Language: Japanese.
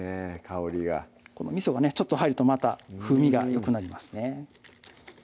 香りがこのみそがねちょっと入るとまた風味がよくなりますね